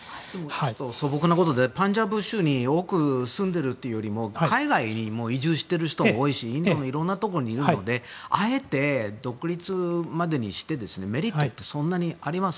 素朴なことでパンジャブ州に多く住んでるというよりも海外に移住している人が多いしインドのいろんなところにいるのであえて、独立までしてメリットってそんなにあります？